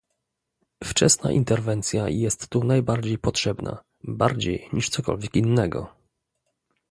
Wczesna interwencja jest tu najbardziej potrzebna, bardziej niż cokolwiek innego